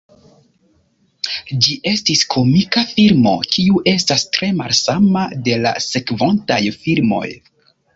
Ĝi estis komika filmo, kiu estas tre malsama de la sekvontaj filmoj.